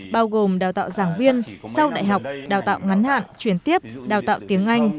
bao gồm đào tạo giảng viên sau đại học đào tạo ngắn hạn chuyển tiếp đào tạo tiếng anh